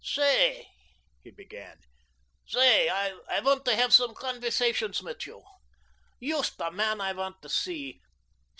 "Say," he began. "Say, I want to hef some converzations mit you. Yoost der men I want to see.